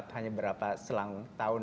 hanya berapa selang tahun